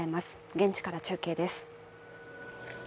現地から中継です。